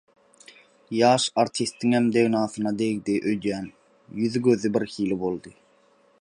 Ýaş artistiňem degnasyna degdi öýdýän, ýüzi-gözi birhili boldy.